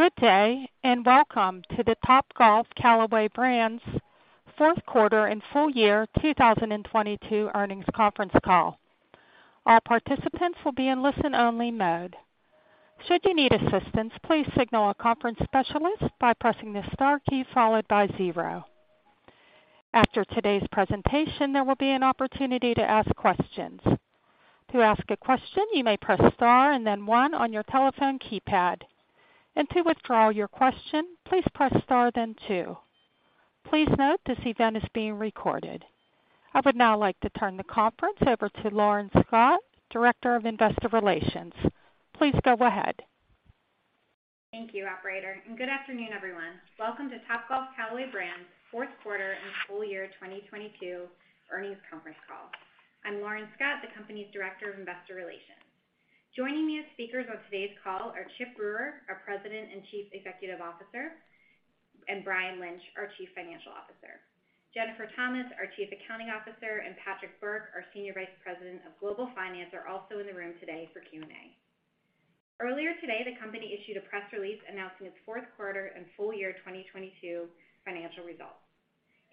Good day, and welcome to the Topgolf Callaway Brands fourth quarter and full year 2022 earnings conference call. All participants will be in listen-only mode. Should you need assistance, please signal a conference specialist by pressing the star key followed by zero. After today's presentation, there will be an opportunity to ask questions. To ask a question, you may press Star and then one on your telephone keypad. To withdraw your question, please press Star, then two. Please note, this event is being recorded. I would now like to turn the conference over to Lauren Scott, Director of Investor Relations. Please go ahead. Thank you, operator, and good afternoon, everyone. Welcome to Topgolf Callaway Brands fourth quarter and full year 2022 earnings conference call. I'm Lauren Scott, the company's Director of Investor Relations. Joining me as speakers on today's call are Chip Brewer, our President and Chief Executive Officer, and Brian Lynch, our Chief Financial Officer. Jennifer Thomas, our Chief Accounting Officer, and Patrick Burke, our Senior Vice President of Global Finance, are also in the room today for Q&A. Earlier today, the company issued a press release announcing its fourth quarter and full year 2022 financial results.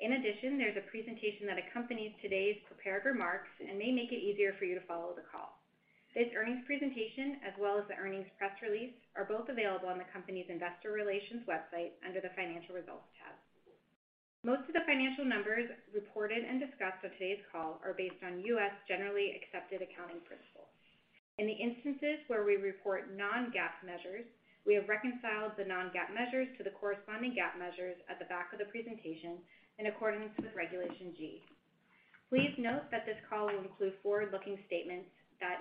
In addition, there's a presentation that accompanies today's prepared remarks and may make it easier for you to follow the call. This earnings presentation, as well as the earnings press release, are both available on the company's investor relations website under the Financial Results tab. Most of the financial numbers reported and discussed on today's call are based on U.S. generally accepted accounting principles. In the instances where we report non-GAAP measures, we have reconciled the non-GAAP measures to the corresponding GAAP measures at the back of the presentation in accordance with Regulation G. Please note that this call will include forward-looking statements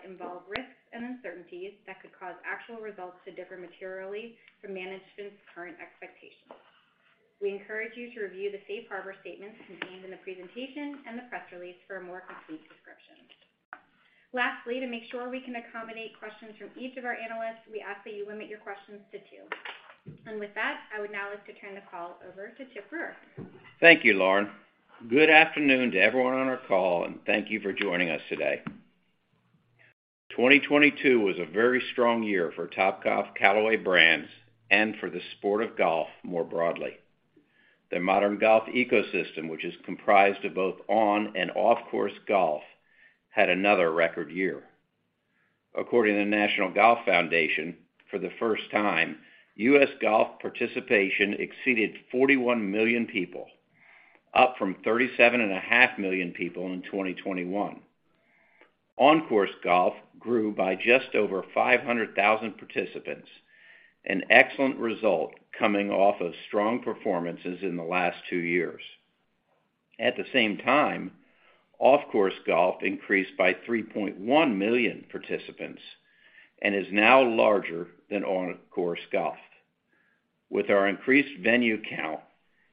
that involve risks and uncertainties that could cause actual results to differ materially from management's current expectations. We encourage you to review the safe harbor statements contained in the presentation and the press release for a more complete description. Lastly, to make sure we can accommodate questions from each of our analysts, we ask that you limit your questions to two. With that, I would now like to turn the call over to Chip Brewer. Thank you, Lauren. Good afternoon to everyone on our call. Thank you for joining us today. 2022 was a very strong year for Topgolf Callaway Brands and for the sport of golf more broadly. The modern golf ecosystem, which is comprised of both on and off-course golf, had another record year. According to the National Golf Foundation, for the first time, U.S. golf participation exceeded 41 million people, up from 37.5 million people in 2021. On-course golf grew by just over 500,000 participants, an excellent result coming off of strong performances in the last two years. At the same time, off-course golf increased by 3.1 million participants and is now larger than on-course golf. With our increased venue count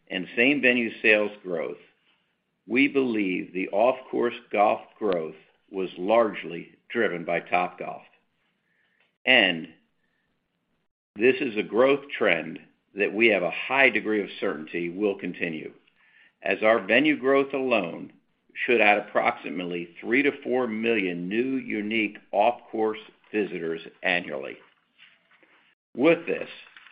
and same-venue sales growth, we believe the off-course golf growth was largely driven by Topgolf, and this is a growth trend that we have a high degree of certainty will continue, as our venue growth alone should add approximately 3 million-4 million new unique off-course visitors annually. With this,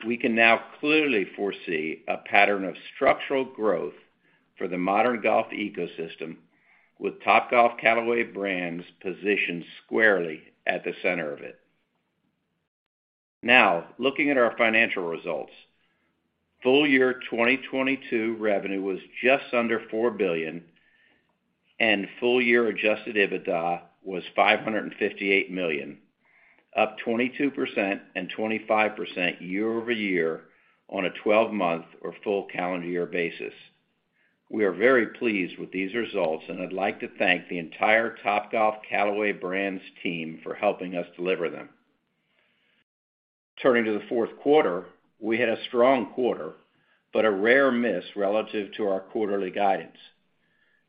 we can now clearly foresee a pattern of structural growth for the modern golf ecosystem, with Topgolf Callaway Brands positioned squarely at the center of it. Now, looking at our financial results. Full year 2022 revenue was just under $4 billion, and full year Adjusted EBITDA was $558 million, up 22% and 25% year-over-year on a 12-month or full calendar year basis. We are very pleased with these results and I'd like to thank the entire Topgolf Callaway Brands team for helping us deliver them. Turning to the fourth quarter, we had a strong quarter, a rare miss relative to our quarterly guidance.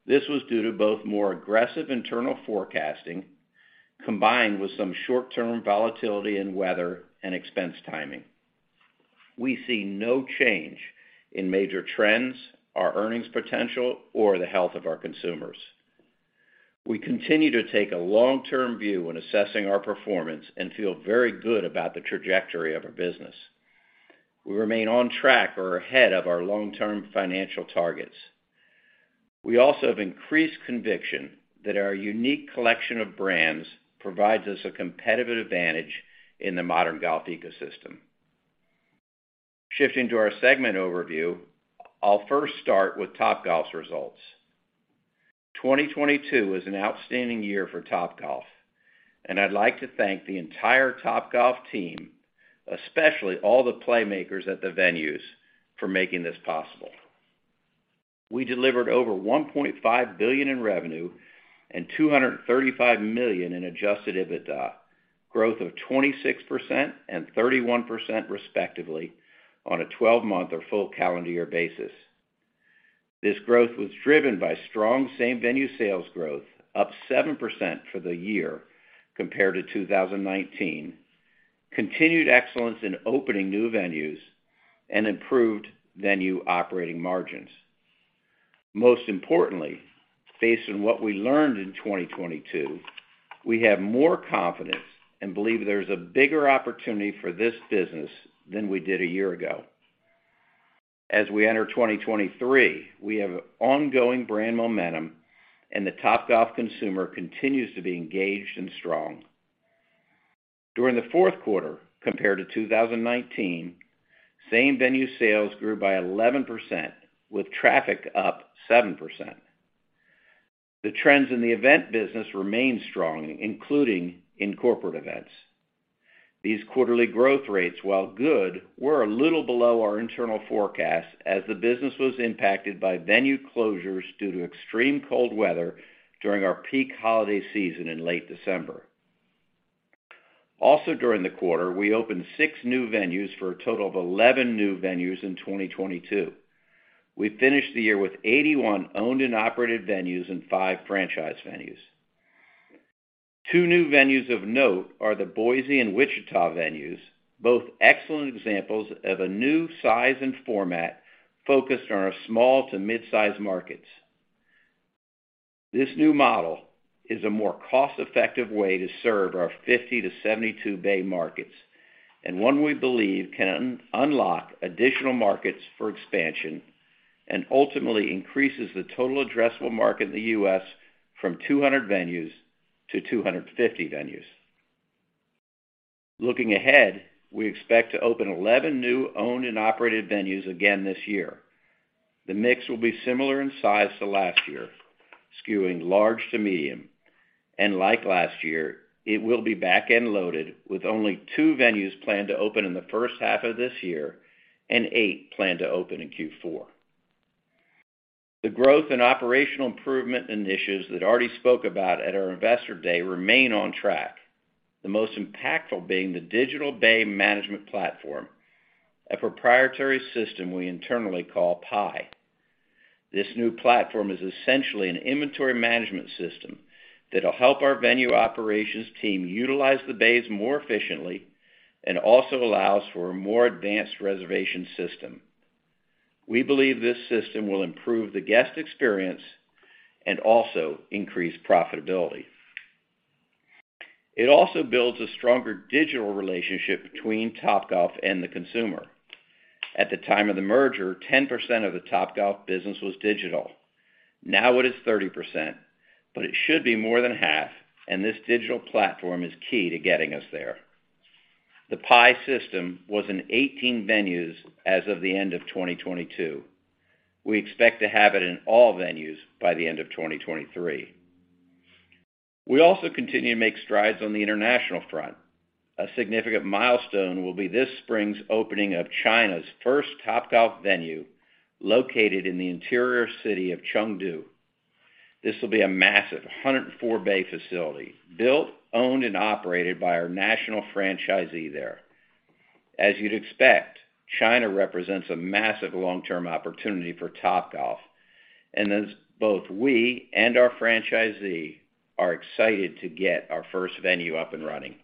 This was due to both more aggressive internal forecasting combined with some short-term volatility in weather and expense timing. We see no change in major trends, our earnings potential, or the health of our consumers. We continue to take a long-term view when assessing our performance and feel very good about the trajectory of our business. We remain on track or ahead of our long-term financial targets. We also have increased conviction that our unique collection of brands provides us a competitive advantage in the modern golf ecosystem. Shifting to our segment overview, I'll first start with Topgolf's results. 2022 was an outstanding year for Topgolf, I'd like to thank the entire Topgolf team, especially all the playmakers at the venues, for making this possible. We delivered over $1.5 billion in revenue and $235 million in adjusted EBITDA, growth of 26% and 31% respectively on a 12-month or full calendar year basis. This growth was driven by strong same-venue sales growth, up 7% for the year compared to 2019, continued excellence in opening new venues, and improved venue operating margins. Most importantly, based on what we learned in 2022, we have more confidence and believe there's a bigger opportunity for this business than we did a year ago. As we enter 2023, we have ongoing brand momentum, and the Topgolf consumer continues to be engaged and strong. During the fourth quarter, compared to 2019, same-venue sales grew by 11%, with traffic up 7%. The trends in the event business remain strong, including in corporate events. These quarterly growth rates, while good, were a little below our internal forecasts as the business was impacted by venue closures due to extreme cold weather during our peak holiday season in late December. During the quarter, we opened six new venues for a total of 11 new venues in 2022. We finished the year with 81 owned and operated venues and five franchise venues. Two new venues of note are the Boise and Wichita venues, both excellent examples of a new size and format focused on our small to mid-size markets. This new model is a more cost-effective way to serve our 50-72 bay markets, and one we believe can unlock additional markets for expansion and ultimately increases the total addressable market in the U.S. from 200 venues to 250 venues. Looking ahead, we expect to open 11 new owned and operated venues again this year. The mix will be similar in size to last year, skewing large to medium, and like last year, it will be back-end loaded with only two venues planned to open in the first half of this year and eight planned to open in Q4. The growth in operational improvement initiatives that Artie spoke about at our Investor Day remain on track, the most impactful being the digital bay management platform, a proprietary system we internally call PIE. This new platform is essentially an inventory management system that'll help our venue operations team utilize the bays more efficiently and also allows for a more advanced reservation system. We believe this system will improve the guest experience and also increase profitability. It also builds a stronger digital relationship between Topgolf and the consumer. At the time of the merger, 10% of the Topgolf business was digital. Now it is 30%. It should be more than half. This digital platform is key to getting us there. The PIE system was in 18 venues as of the end of 2022. We expect to have it in all venues by the end of 2023. We also continue to make strides on the international front. A significant milestone will be this spring's opening of China's first Topgolf venue, located in the interior city of Chengdu. This will be a massive 104 bay facility, built, owned, and operated by our national franchisee there. As you'd expect, China represents a massive long-term opportunity for Topgolf, as both we and our franchisee are excited to get our first venue up and running.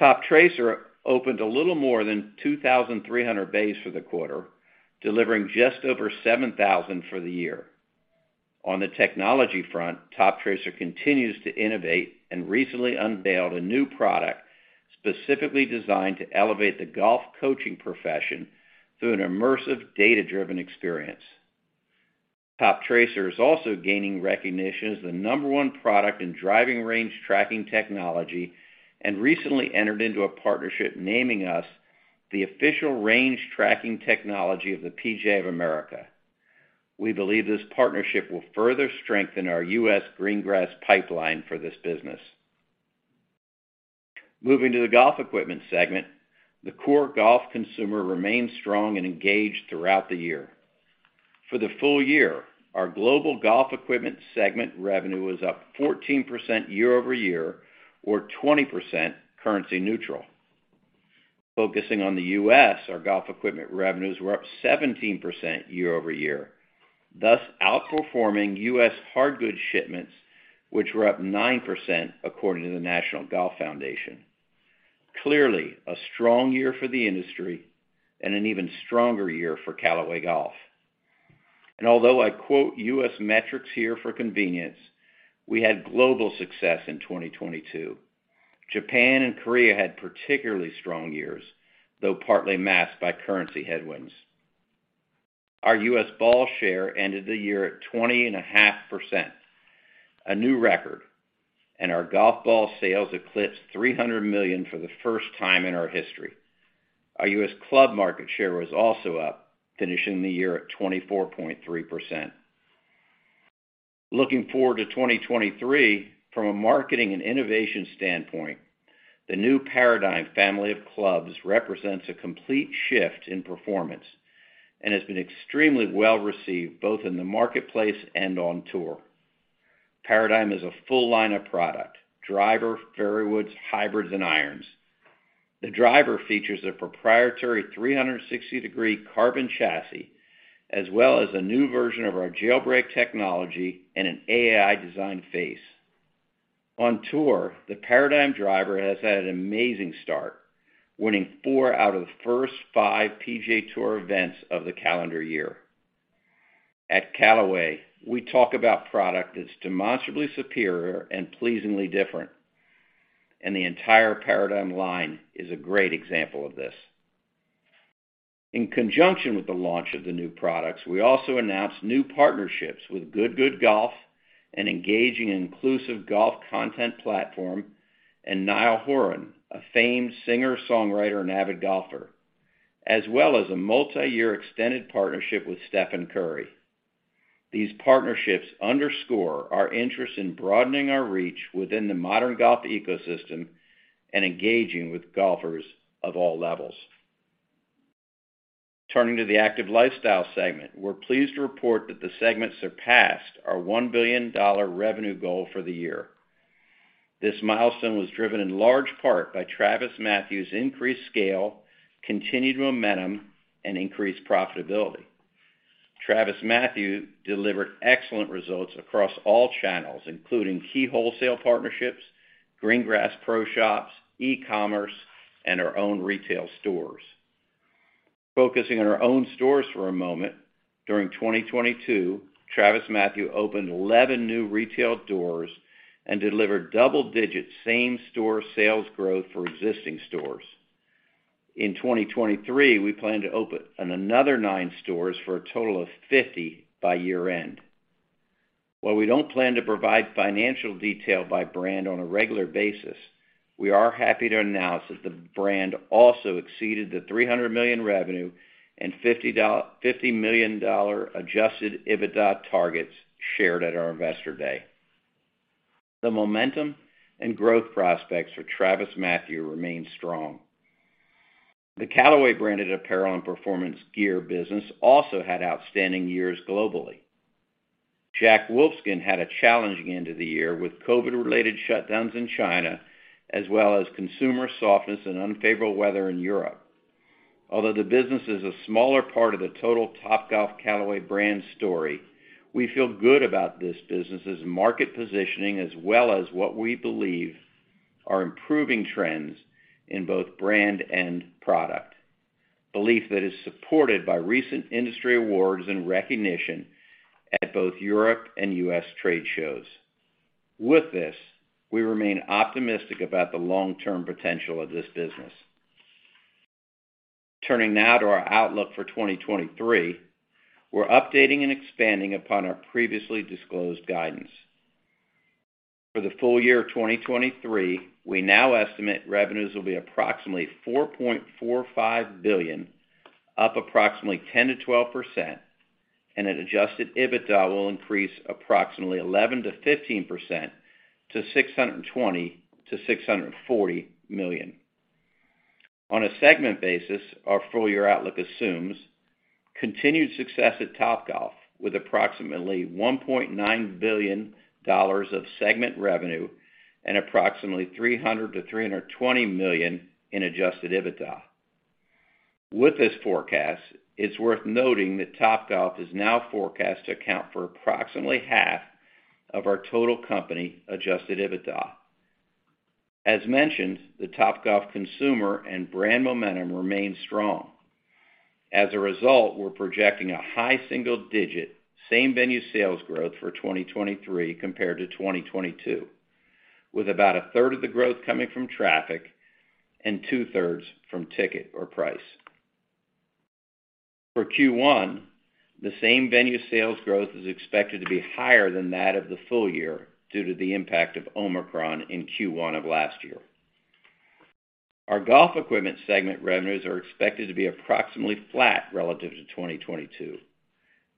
Toptracer opened a little more than 2,300 bays for the quarter, delivering just over 7,000 for the year. On the technology front, Toptracer continues to innovate and recently unveiled a new product specifically designed to elevate the golf coaching profession through an immersive data-driven experience. Toptracer is also gaining recognition as the number one product in driving range tracking technology and recently entered into a partnership naming us the official range tracking technology of the PGA of America. We believe this partnership will further strengthen our U.S. green grass pipeline for this business. Moving to the golf equipment segment, the core golf consumer remained strong and engaged throughout the year. For the full year, our global golf equipment segment revenue was up 14% year-over-year or 20% currency neutral. Focusing on the U.S., our golf equipment revenues were up 17% year-over-year, thus outperforming U.S. hard goods shipments, which were up 9% according to the National Golf Foundation. Clearly, a strong year for the industry and an even stronger year for Callaway Golf. Although I quote U.S. metrics here for convenience, we had global success in 2022. Japan and Korea had particularly strong years, though partly masked by currency headwinds. Our U.S. ball share ended the year at 20.5%, a new record, and our golf ball sales eclipsed $300 million for the first time in our history. Our U.S. club market share was also up, finishing the year at 24.3%. Looking forward to 2023, from a marketing and innovation standpoint, the new Paradym family of clubs represents a complete shift in performance and has been extremely well-received both in the marketplace and on tour. Paradym is a full line of product: driver, fairways, hybrids, and irons. The driver features a proprietary 360-degree carbon chassis, as well as a new version of our Jailbreak technology and an AI-designed face. On tour, the Paradym driver has had an amazing start, winning four out of the first five PGA Tour events of the calendar year. At Callaway, we talk about product that's demonstrably superior and pleasingly different, and the entire Paradym line is a great example of this. In conjunction with the launch of the new products, we also announced new partnerships with Good Good Golf, an engaging and inclusive golf content platform, and Niall Horan, a famed singer-songwriter and avid golfer, as well as a multi-year extended partnership with Stephen Curry. These partnerships underscore our interest in broadening our reach within the modern golf ecosystem and engaging with golfers of all levels. Turning to the active lifestyle segment, we're pleased to report that the segment surpassed our $1 billion revenue goal for the year. This milestone was driven in large part by TravisMathew's increased scale, continued momentum, and increased profitability. TravisMathew delivered excellent results across all channels, including key wholesale partnerships, green grass pro shops, e-commerce, and our own retail stores. Focusing on our own stores for a moment, during 2022, TravisMathew opened 11 new retail doors and delivered double-digit same-store sales growth for existing stores. In 2023, we plan to open another 9 stores for a total of 50 by year-end. While we don't plan to provide financial detail by brand on a regular basis, we are happy to announce that the brand also exceeded the $300 million revenue and $50 million adjusted EBITDA targets shared at our Investor Day. The momentum and growth prospects for TravisMathew remain strong. The Callaway branded apparel and performance gear business also had outstanding years globally. Jack Wolfskin had a challenging end of the year with COVID-related shutdowns in China, as well as consumer softness and unfavorable weather in Europe. Although the business is a smaller part of the total Topgolf Callaway Brands story, we feel good about this business' market positioning as well as what we believe are improving trends in both brand and product, belief that is supported by recent industry awards and recognition at both Europe and U.S. trade shows. With this, we remain optimistic about the long-term potential of this business. Turning now to our outlook for 2023, we're updating and expanding upon our previously disclosed guidance. For the full year of 2023, we now estimate revenues will be approximately $4.45 billion, up approximately 10%-12%, and that Adjusted EBITDA will increase approximately 11%-15% to $620 million-$640 million. On a segment basis, our full year outlook assumes continued success at Topgolf with approximately $1.9 billion of segment revenue and approximately $300 million-$320 million in adjusted EBITDA. With this forecast, it's worth noting that Topgolf is now forecast to account for approximately half of our total company Adjusted EBITDA. As mentioned, the Topgolf consumer and brand momentum remains strong. As a result, we're projecting a high single-digit same-venue sales growth for 2023 compared to 2022, with about a third of the growth coming from traffic and two-thirds from ticket or price. For Q1, the same-venue sales growth is expected to be higher than that of the full year due to the impact of Omicron in Q1 of last year. Our golf equipment segment revenues are expected to be approximately flat relative to 2022.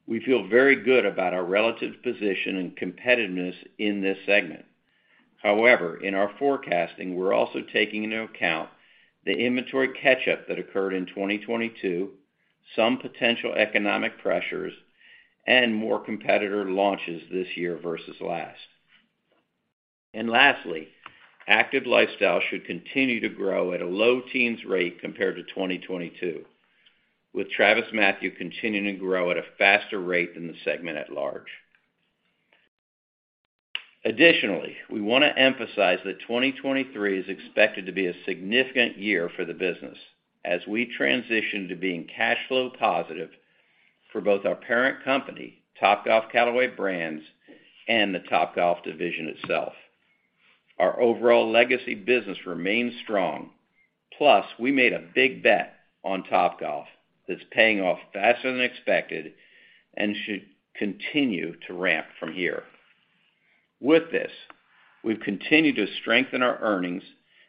We feel very good about our relative position and competitiveness in this segment. However, in our forecasting, we're also taking into account the inventory catch-up that occurred in 2022, some potential economic pressures, and more competitor launches this year versus last. Lastly, active lifestyle should continue to grow at a low teens rate compared to 2022, with TravisMathew continuing to grow at a faster rate than the segment at large. Additionally, we wanna emphasize that 2023 is expected to be a significant year for the business as we transition to being cash flow positive for both our parent company, Topgolf Callaway Brands, and the Topgolf division itself. Our overall legacy business remains strong. Plus, we made a big bet on Topgolf that's paying off faster than expected and should continue to ramp from here. With this, we've continued to strengthen our earnings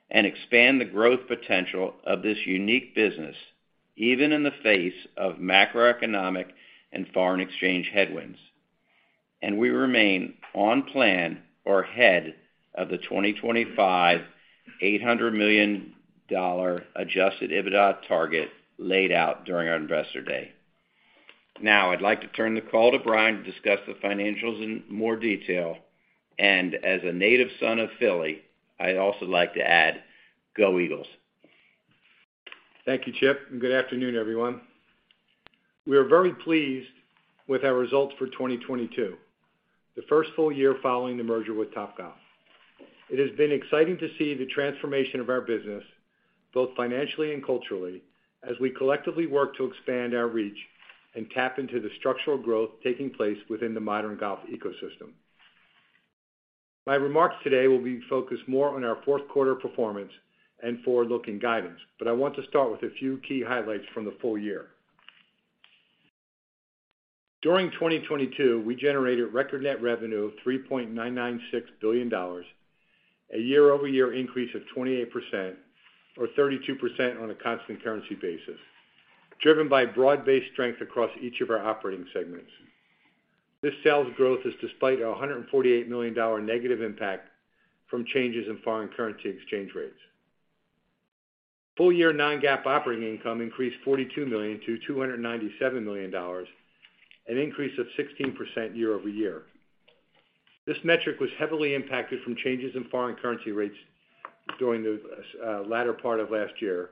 and expand the growth potential of this unique business, even in the face of macroeconomic and foreign exchange headwinds. We remain on plan or ahead of the 2025 $800 million Adjusted EBITDA target laid out during our Investor Day. Now I'd like to turn the call to Brian to discuss the financials in more detail. As a native son of Philly, I'd also like to add, go Eagles. Thank you, Chip, and good afternoon, everyone. We are very pleased with our results for 2022, the first full year following the merger with Topgolf. It has been exciting to see the transformation of our business, both financially and culturally, as we collectively work to expand our reach and tap into the structural growth taking place within the modern golf ecosystem. My remarks today will be focused more on our fourth quarter performance and forward-looking guidance, but I want to start with a few key highlights from the full year. During 2022, we generated record net revenue of $3.996 billion, a year-over-year increase of 28%, or 32% on a constant currency basis, driven by broad-based strength across each of our operating segments. This sales growth is despite a $148 million negative impact from changes in foreign currency exchange rates. Full-year non-GAAP operating income increased $42 million to $297 million, an increase of 16% year-over-year. This metric was heavily impacted from changes in foreign currency rates during the latter part of last year.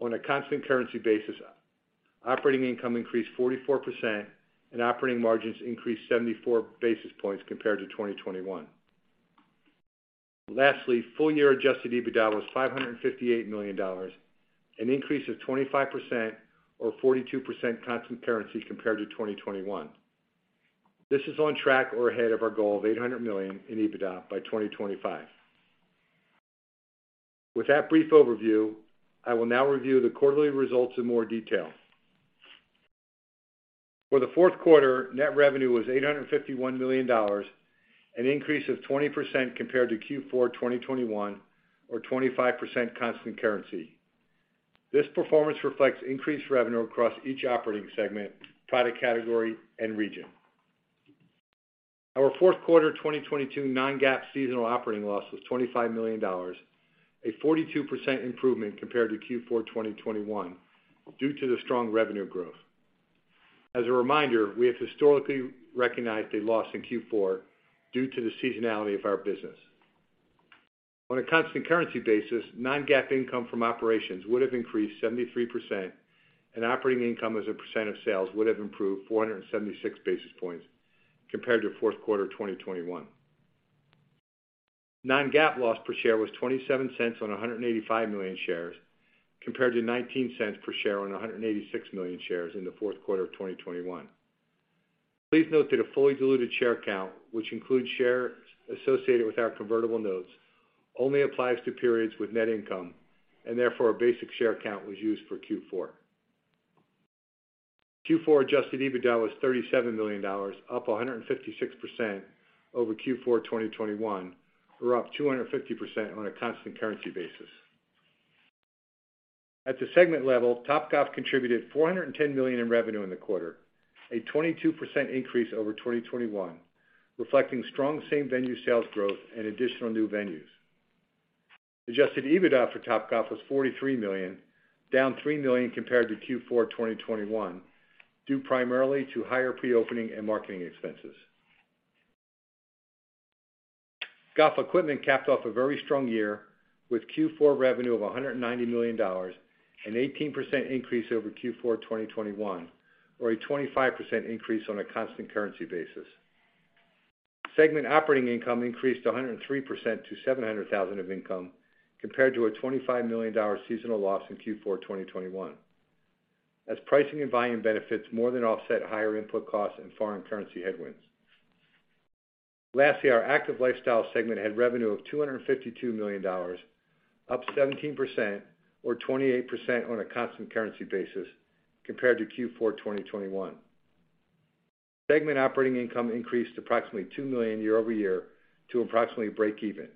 On a constant currency basis, operating income increased 44% and operating margins increased 74 basis points compared to2021. Lastly, full year Adjusted EBITDA was $558 million, an increase of 25% or 42% constant currency compared to 2021. This is on track or ahead of our goal of $800 million in EBITDA by 2025. With that brief overview, I will now review the quarterly results in more detail. For the fourth quarter, net revenue was $851 million, an increase of 20% compared to Q4 2021 or 25% constant currency. This performance reflects increased revenue across each operating segment, product category, and region. Our fourth quarter 2022 non-GAAP seasonal operating loss was $25 million, a 42% improvement compared to Q4 2021 due to the strong revenue growth. As a reminder, we have historically recognized a loss in Q4 due to the seasonality of our business. On a constant currency basis, non-GAAP income from operations would have increased 73%, and operating income as a percent of sales would have improved 476 basis points compared to fourth quarter 2021. Non-GAAP loss per share was $0.27 on 185 million shares, compared to $0.19 per share on 186 million shares in the fourth quarter of 2021. Please note that a fully diluted share count, which includes shares associated with our convertible notes, only applies to periods with net income, therefore, a basic share count was used for Q4. Q4 Adjusted EBITDA was $37 million, up 156% over Q4 2021, or up 250% on a constant currency basis. At the segment level, Topgolf contributed $410 million in revenue in the quarter, a 22% increase over 2021, reflecting strong same-venue sales growth and additional new venues. Adjusted EBITDA for Topgolf was $43 million, down $3 million compared to Q4 2021, due primarily to higher pre-opening and marketing expenses. Golf equipment capped off a very strong year with Q4 revenue of $190 million, an 18% increase over Q4 2021, or a 25% increase on a constant currency basis. Segment operating income increased 103% to $700,000 of income, compared to a $25 million seasonal loss in Q4 2021, as pricing and volume benefits more than offset higher input costs and foreign currency headwinds. Our active lifestyle segment had revenue of $252 million, up 17% or 28% on a constant currency basis compared to Q4 2021. Segment operating income increased approximately $2 million year-over-year to approximately breakeven.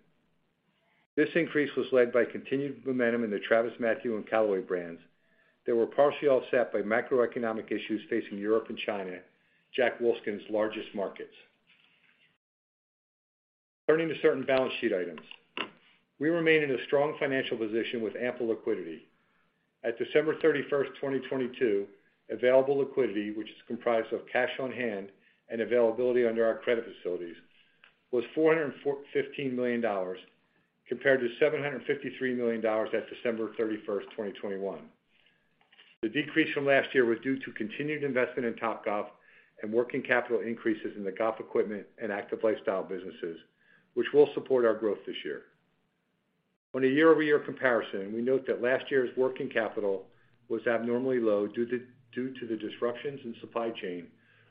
This increase was led by continued momentum in the TravisMathew and Callaway brands that were partially offset by macroeconomic issues facing Europe and China, Jack Wolfskin's largest markets. Turning to certain balance sheet items. We remain in a strong financial position with ample liquidity. At December 31st, 2022, available liquidity, which is comprised of cash on hand and availability under our credit facilities, was $415 million, compared to $753 million at December 31st, 2021. The decrease from last year was due to continued investment in Topgolf and working capital increases in the golf equipment and active lifestyle businesses, which will support our growth this year. On a year-over-year comparison, we note that last year's working capital was abnormally low due to the disruptions in supply chain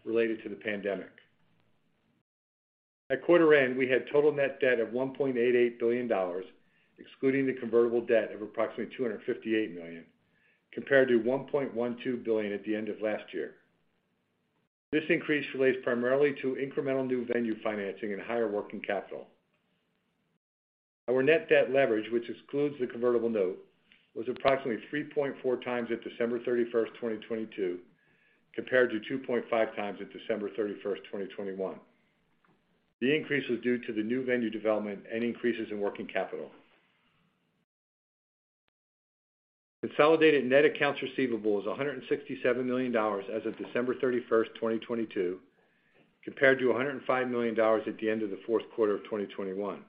related to the pandemic. At quarter end, we had total net debt of $1.88 billion, excluding the convertible debt of approximately $258 million, compared to $1.12 billion at the end of last year. This increase relates primarily to incremental new venue financing and higher working capital. Our net debt leverage, which excludes the convertible note, was approximately 3.4 times at December 31, 2022, compared to 2.5 times at December 31st, 2021. The increase was due to the new venue development and increases in working capital. Consolidated net accounts receivable is $167 million as of December 31, 2022. Compared to $105 million at the end of the fourth quarter of 2021.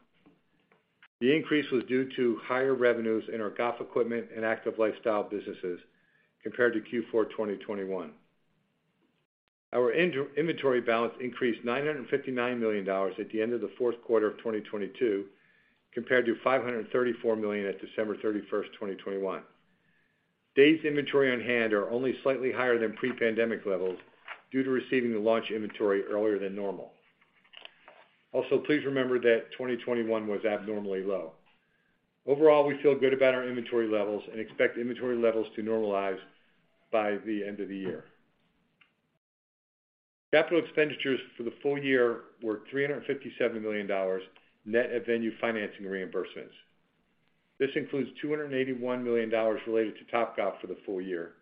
The increase was due to higher revenues in our golf equipment and active lifestyle businesses compared to Q4 2021. Our in-inventory balance increased $959 million at the end of the fourth quarter of 2022, compared to $534 million at December 31st, 2021. Days inventory on hand are only slightly higher than pre-pandemic levels due to receiving the launch inventory earlier than normal. Please remember that 2021 was abnormally low. Overall, we feel good about our inventory levels and expect inventory levels to normalize by the end of the year. Capital expenditures for the full year were $357 million net of venue financing reimbursements. This includes $281 million related to Topgolf for the full year.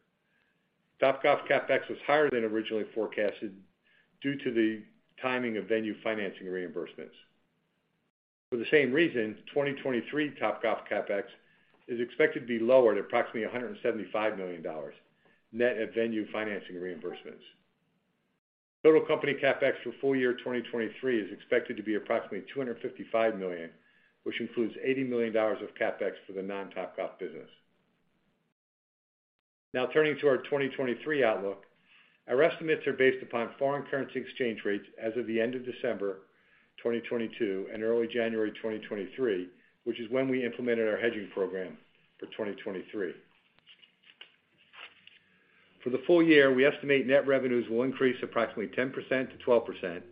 Topgolf CapEx was higher than originally forecasted due to the timing of venue financing reimbursements. For the same reason, 2023 Topgolf CapEx is expected to be lower at approximately $175 million net of venue financing reimbursements. Total company CapEx for full year 2023 is expected to be approximately $255 million, which includes $80 million of CapEx for the non-Topgolf business. Now turning to our 2023 outlook. Our estimates are based upon foreign currency exchange rates as of the end of December 2022 and early January 2023, which is when we implemented our hedging program for 2023. For the full year, we estimate net revenues will increase approximately 10%-12%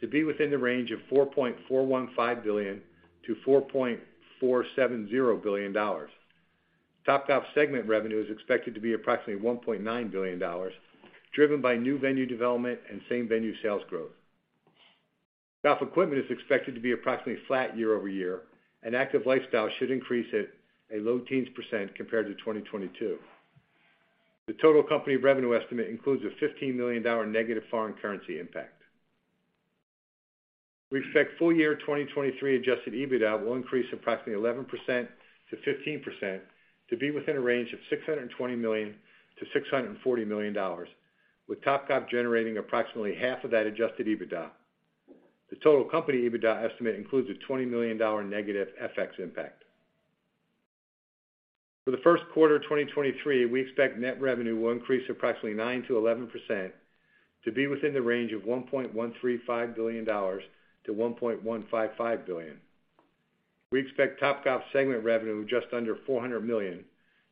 to be within the range of $4.415 billion to $4.470 billion. Topgolf segment revenue is expected to be approximately $1.9 billion, driven by new venue development and same-venue sales growth. Golf equipment is expected to be approximately flat year-over-year, and active lifestyle should increase at a low teens % compared to 2022. The total company revenue estimate includes a $15 million negative foreign currency impact. We expect full year 2023 Adjusted EBITDA will increase approximately 11%-15% to be within a range of $620 million-$640 million, with Topgolf generating approximately half of that Adjusted EBITDA. The total company EBITDA estimate includes a $20 million negative FX impact. For the first quarter 2023, we expect net revenue will increase approximately 9%-11% to be within the range of $1.135 billion-$1.155 billion. We expect Topgolf segment revenue just under $400 million,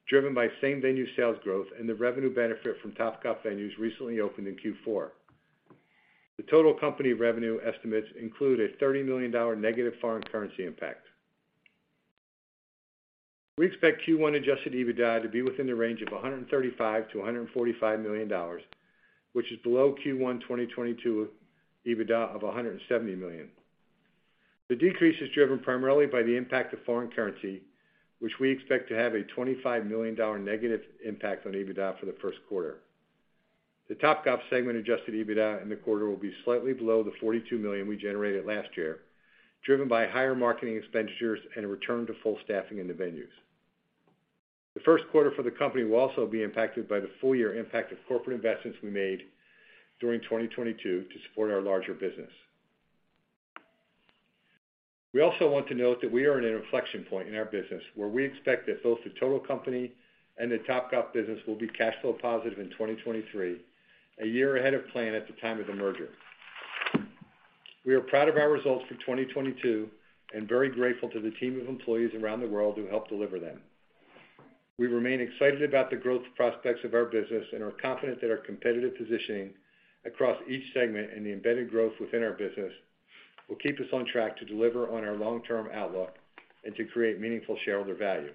driven by same-venue sales growth and the revenue benefit from Topgolf venues recently opened in Q4. The total company revenue estimates include a $30 million negative foreign currency impact. We expect Q1 Adjusted EBITDA to be within the range of $135 million-$145 million, which is below Q1 2022 EBITDA of $170 million. The decrease is driven primarily by the impact of foreign currency, which we expect to have a $25 million negative impact on EBITDA for the first quarter. The Topgolf segment Adjusted EBITDA in the quarter will be slightly below the $42 million we generated last year, driven by higher marketing expenditures and a return to full staffing in the venues. The first quarter for the company will also be impacted by the full-year impact of corporate investments we made during 2022 to support our larger business. We also want to note that we are at an inflection point in our business where we expect that both the total company and the Topgolf business will be cash flow positive in 2023, a year ahead of plan at the time of the merger. We are proud of our results for 2022 and very grateful to the team of employees around the world who helped deliver them. We remain excited about the growth prospects of our business and are confident that our competitive positioning across each segment and the embedded growth within our business will keep us on track to deliver on our long-term outlook and to create meaningful shareholder value.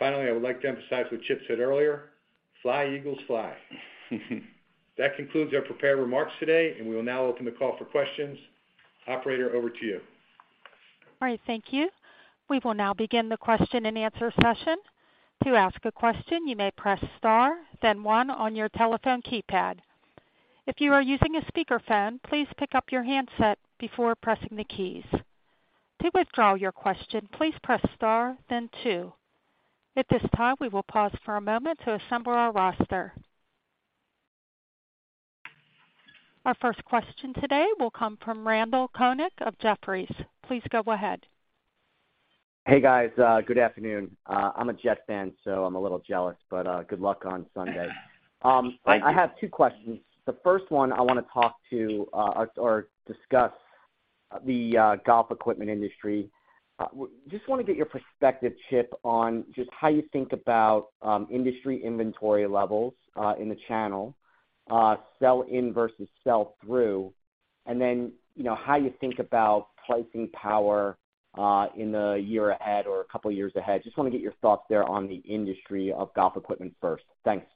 Finally, I would like to emphasize what Chip said earlier, Fly Eagles Fly. That concludes our prepared remarks today. We will now open the call for questions. Operator, over to you. All right. Thank you. We will now begin the question-and-answer session. To ask a question, you may press star then one on your telephone keypad. If you are using a speakerphone, please pick up your handset before pressing the keys. To withdraw your question, please press star then two. At this time, we will pause for a moment to assemble our roster. Our first question today will come from Randal Konik of Jefferies. Please go ahead. Hey, guys. good afternoon. I'm a Jets fan, so I'm a little jealous, but, good luck on Sunday. Thank you. I have two questions. The first one I wanna talk to or discuss the golf equipment industry. Just wanna get your perspective, Chip, on just how you think about industry inventory levels in the channel, sell in versus sell through, and then, you know, how you think about pricing power in the year ahead or a couple of years ahead. Just wanna get your thoughts there on the industry of golf equipment first. Thanks.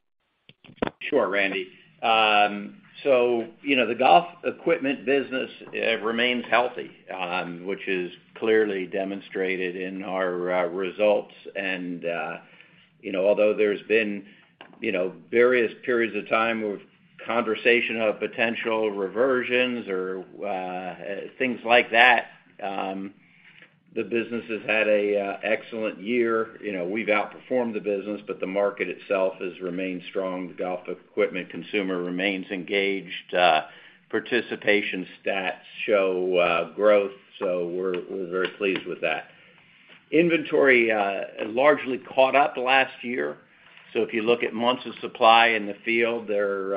Sure, Randy. You know, the golf equipment business, it remains healthy, which is clearly demonstrated in our results. You know, although there's been, you know, various periods of time of conversation of potential reversions or things like that. The business has had an excellent year. You know, we've outperformed the business, the market itself has remained strong. The golf equipment consumer remains engaged. Participation stats show growth, we're very pleased with that. Inventory largely caught up last year. If you look at months of supply in the field, they're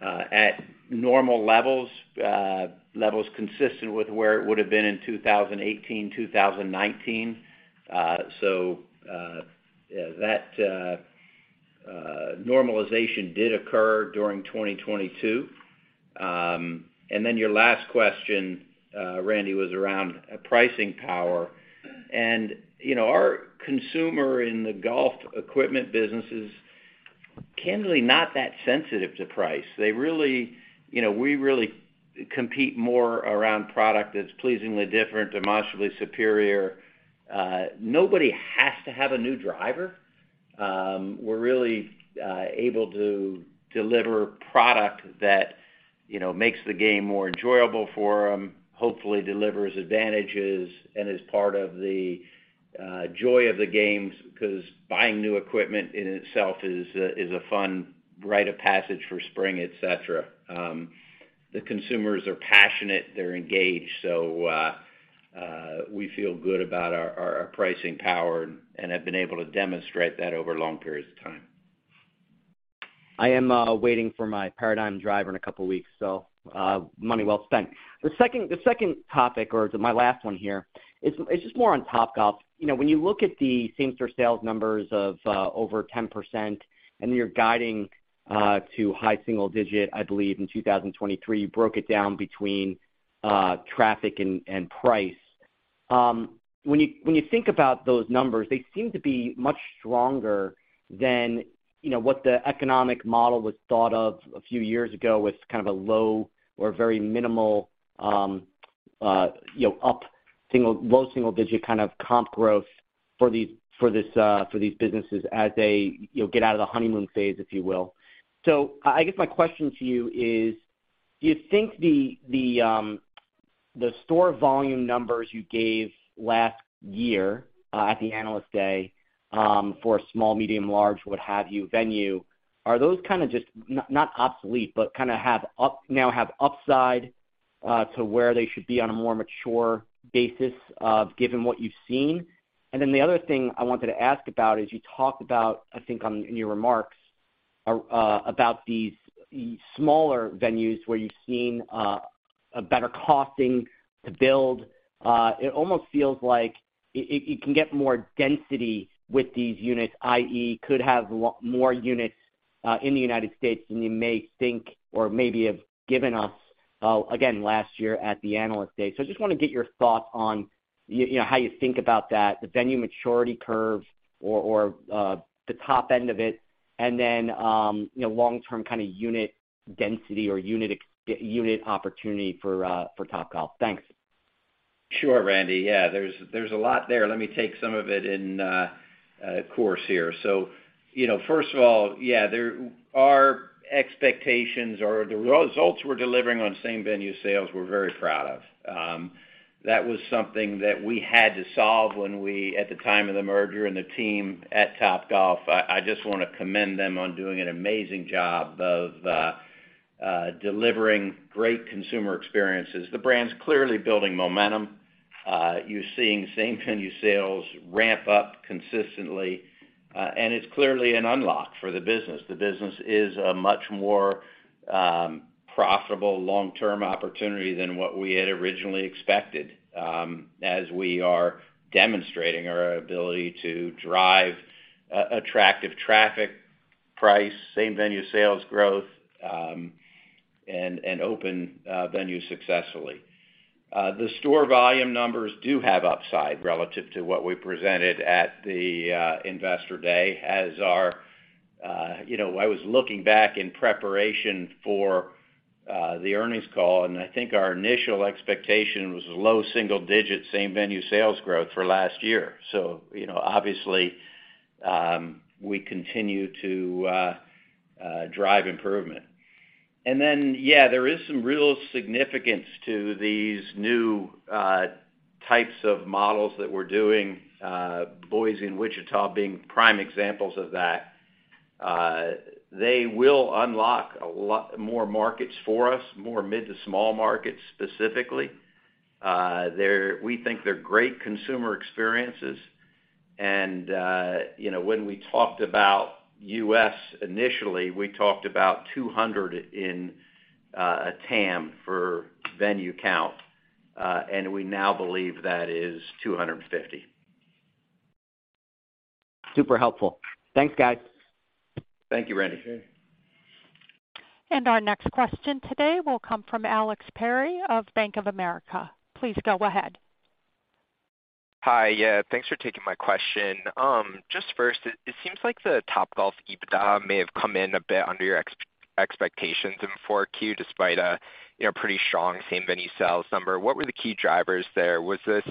at normal levels consistent with where it would have been in 2018, 2019. That normalization did occur during 2022. Then your last question, Randy, was around pricing power. You know, our consumer in the golf equipment business is candidly not that sensitive to price. You know, we really compete more around product that's pleasingly different, demonstrably superior. Nobody has to have a new driver. We're really able to deliver product that, you know, makes the game more enjoyable for them, hopefully delivers advantages, and is part of the joy of the games, 'cause buying new equipment in itself is a fun rite of passage for spring, et cetera. The consumers are passionate, they're engaged, we feel good about our pricing power and have been able to demonstrate that over long periods of time. I am waiting for my Paradym driver in a couple of weeks. Money well spent. The second topic, or my last one here, is just more on Topgolf. You know, when you look at the same store sales numbers of over 10%, you're guiding to high single digit, I believe, in 2023, you broke it down between traffic and price. When you think about those numbers, they seem to be much stronger than, you know, what the economic model was thought of a few years ago with kind of a low or very minimal, you know, low single digit kind of comp growth for these businesses as they, you know, get out of the honeymoon phase, if you will. I guess my question to you is, do you think the store volume numbers you gave last year at the Analyst Day for small, medium, large, what have you, venue, are those kind of just, not obsolete, but kind of now have upside to where they should be on a more mature basis given what you've seen? The other thing I wanted to ask about is you talked about, I think on, in your remarks, about these smaller venues where you've seen a better costing to build. It almost feels like it can get more density with these units, i.e. could have lot more units in the United States than you may think or maybe have given us again last year at the Analyst Day. I just wanna get your thoughts on, you know, how you think about that, the venue maturity curves or the top end of it, and then, you know, long-term kind of unit density or unit opportunity for Topgolf. Thanks. Sure, Randy. Yeah, there's a lot there. Let me take some of it in course here. You know, first of all, yeah, there are expectations or the results we're delivering on same-venue sales we're very proud of. That was something that we had to solve when we, at the time of the merger and the team at Topgolf. I just wanna commend them on doing an amazing job of delivering great consumer experiences. The brand's clearly building momentum. You're seeing same-venue sales ramp up consistently, and it's clearly an unlock for the business. The business is a much more profitable long-term opportunity than what we had originally expected, as we are demonstrating our ability to drive attractive traffic, price, same-venue sales growth, and open venues successfully. The store volume numbers do have upside relative to what we presented at the Investor Day as our... You know, I was looking back in preparation for the earnings call, and I think our initial expectation was low single-digit, same-venue sales growth for last year. You know, obviously, we continue to drive improvement. Then, yeah, there is some real significance to these new types of models that we're doing, Boise and Wichita being prime examples of that. They will unlock a lot more markets for us, more mid to small markets specifically. We think they're great consumer experiences. You know, when we talked about US initially, we talked about 200 in a TAM for venue count, and we now believe that is 250. Super helpful. Thanks, guys. Thank you, Randy. Our next question today will come from Alexander Perry of Bank of America. Please go ahead. Hi. Yeah, thanks for taking my question. Just first, it seems like the Topgolf EBITDA may have come in a bit under your expectations in 4Q despite a, you know, pretty strong same-venue sales number. What were the key drivers there? Was this,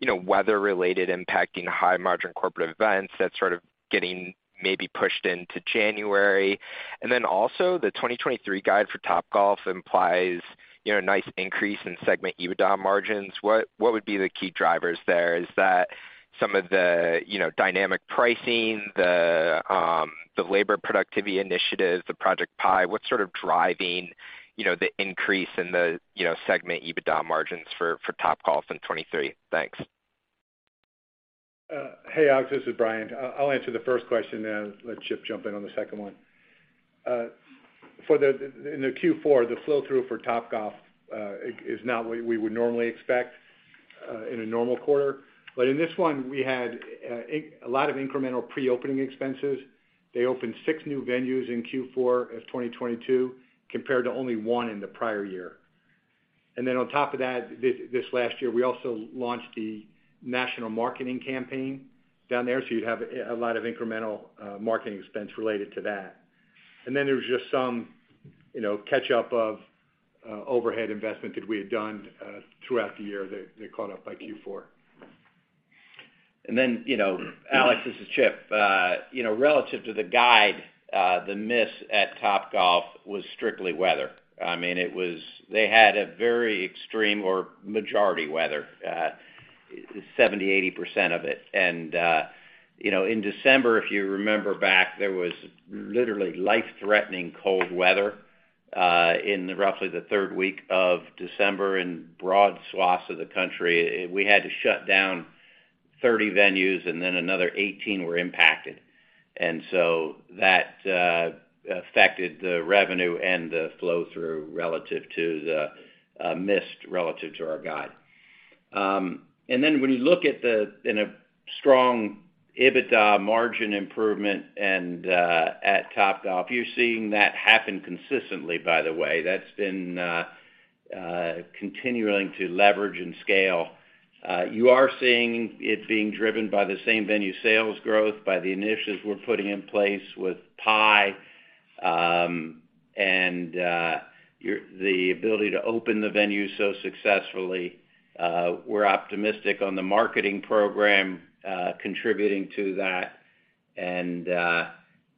you know, weather-related impacting high-margin corporate events that's sort of getting maybe pushed into January? The 2023 guide for Topgolf implies. You know, nice increase in segment EBITDA margins. What would be the key drivers there? Is that some of the, you know, dynamic pricing, the labor productivity initiatives, the Project PIE? What's sort of driving, you know, the increase in the, you know, segment EBITDA margins for Topgolf in 23? Thanks. Hey, Alex, this is Brian. I'll answer the first question, then let Chip jump in on the second one. In the Q4, the flow-through for Topgolf is not what we would normally expect in a normal quarter. In this one, we had a lot of incremental pre-opening expenses. They opened six new venues in Q4 of 2022 compared to only one in the prior year. On top of that, this last year, we also launched the national marketing campaign down there, you'd have a lot of incremental marketing expense related to that. There was just some, you know, catch-up of overhead investment that we had done throughout the year that got caught up by Q4. You know, Alex, this is Chip. You know, relative to the guide, the miss at Topgolf was strictly weather. I mean, They had a very extreme or majority weather, 70%-80% of it. You know, in December, if you remember back, there was literally life-threatening cold weather, in roughly the third week of December in broad swaths of the country. We had to shut down 30 venues and then another 18 were impacted. So that affected the revenue and the flow-through relative to the, missed relative to our guide. Then when you look at the, in a strong EBITDA margin improvement and, at Topgolf, you're seeing that happen consistently, by the way. That's been, continuing to leverage and scale. You are seeing it being driven by the same-venue sales growth, by the initiatives we're putting in place with PIE, and the ability to open the venue so successfully. We're optimistic on the marketing program, contributing to that.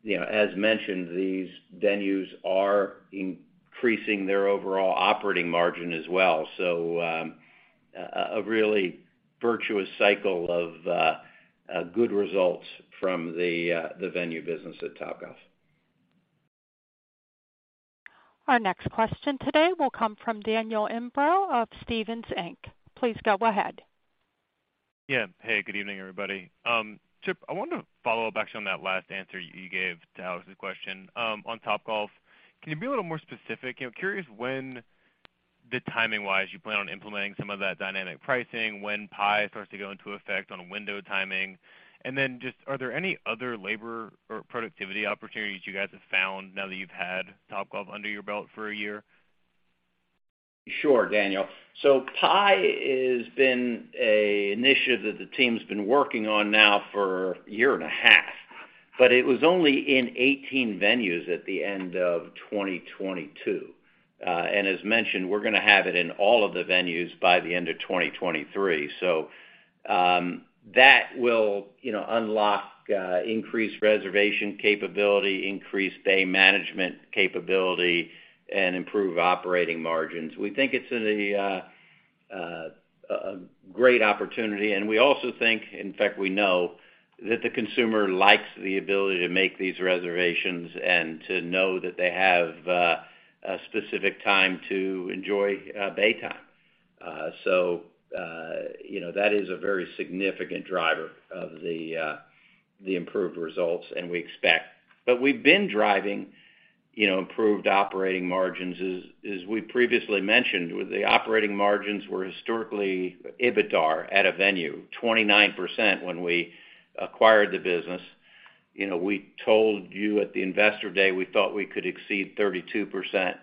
You know, as mentioned, these venues are increasing their overall operating margin as well. A really virtuous cycle of good results from the venue business at Topgolf. Our next question today will come from Daniel Imbro of Stephens Inc. Please go ahead. Yeah. Hey, good evening, everybody. Chip, I wanted to follow up actually on that last answer you gave to Alex's question. On Topgolf, can you be a little more specific? You know, curious when the timing-wise you plan on implementing some of that dynamic pricing, when PIE starts to go into effect on window timing. Then just, are there any other labor or productivity opportunities you guys have found now that you've had Topgolf under your belt for a year? Daniel. PIE has been an initiative that the team's been working on now for a year and a half, but it was only in 18 venues at the end of 2022. As mentioned, we're gonna have it in all of the venues by the end of 2023. That will, you know, unlock increased reservation capability, increased day management capability, and improve operating margins. We think it's in a great opportunity, and we also think, in fact, we know that the consumer likes the ability to make these reservations and to know that they have a specific time to enjoy day time. You know, that is a very significant driver of the improved results and we expect. We've been driving, you know, improved operating margins, as we previously mentioned. The operating margins were historically, EBITDAR at a venue, 29% when we acquired the business. You know, we told you at the Investor Day, we thought we could exceed 32%.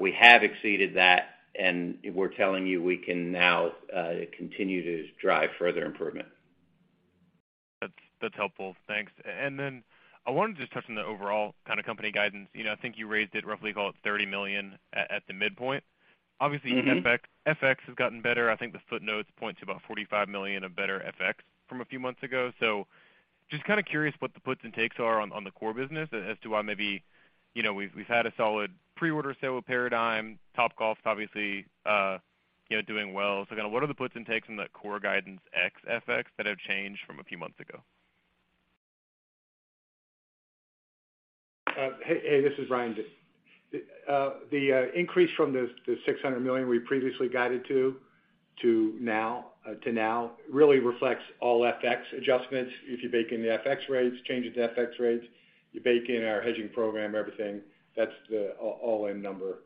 We have exceeded that, and we're telling you we can now continue to drive further improvement. That's helpful. Thanks. I wanted to touch on the overall kind of company guidance. You know, I think you raised it roughly, call it $30 million at the midpoint. Mm-hmm. Obviously, FX has gotten better. I think the footnotes point to about $45 million of better FX from a few months ago. Just kind of curious what the puts and takes are on the core business as to why maybe, you know, we've had a solid pre-order sale with Paradym, Topgolf's obviously, you know, doing well. Kind of what are the puts and takes in the core guidance ex FX that have changed from a few months ago? Hey, this is Brian. The increase from the $600 million we previously guided to now really reflects all FX adjustments. If you bake in the FX rates, change the FX rates, you bake in our hedging program, everything, that's the all-in number.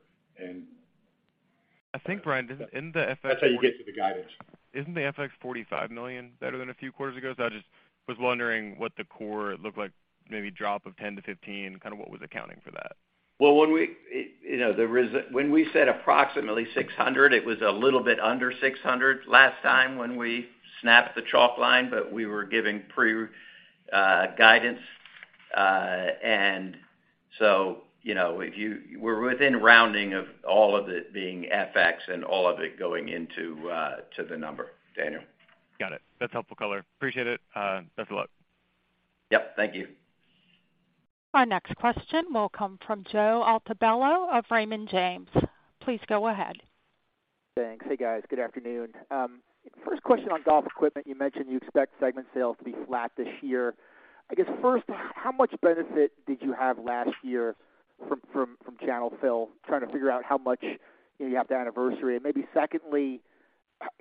I think, Brian, isn't the FX- That's how you get to the guidance. Isn't the FX $45 million better than a few quarters ago? I just was wondering what the core looked like, maybe drop of 10-15, kind of what was accounting for that? Well, you know, when we said approximately 600, it was a little bit under 600 last time when we snapped the chalk line, but we were giving pre guidance. You know, if you, we're within rounding of all of it being FX and all of it going into the number, Daniel. Got it. That's helpful color. Appreciate it. Best of luck. Yep, thank you. Our next question will come from Joe Altobello of Raymond James. Please go ahead. Thanks. Hey, guys. Good afternoon. First question on golf equipment. You mentioned you expect segment sales to be flat this year. I guess first, how much benefit did you have last year from channel fill? Trying to figure out how much, you know, you have to anniversary. Maybe secondly,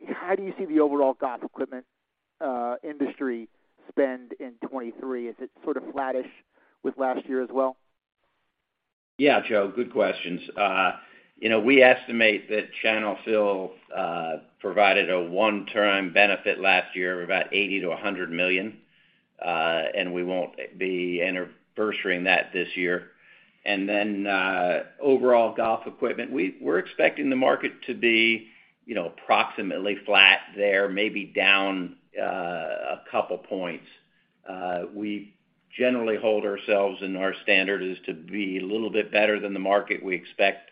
how do you see the overall golf equipment industry spend in 23? Is it sort of flattish with last year as well? Yeah, Joe, good questions. you know, we estimate that channel fill provided a one-time benefit last year of about $80 million-$100 million, and we won't be anniversarying that this year. Overall golf equipment, we're expecting the market to be, you know, approximately flat there, maybe down a couple points. We generally hold ourselves and our standard is to be a little bit better than the market. We expect